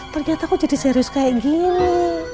ternyata kok jadi serius kayak gini